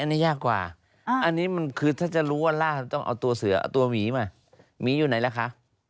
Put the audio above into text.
อันนี้ยากกว่าอันนี้มันคือถ้าจะรู้ว่าล่าต้องเอาตัวเสือเอาตัวหมีมาหมีอยู่ไหนล่ะคะ